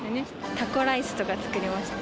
タコライスとか作りました。